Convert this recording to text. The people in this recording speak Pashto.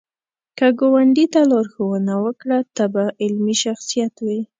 که ګاونډي ته لارښوونه وکړه، ته به علمي شخصیت وې